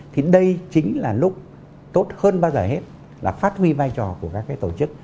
thì đây chính là lúc tốt hơn bao giờ hết là phát huy vai trò của các cái tổ chức